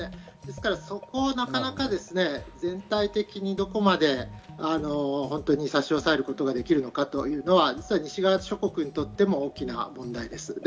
ですから、そこはなかなか全体的にどこまで差し押さえることができるのかというのは実は西側諸国にとっても大きな問題です。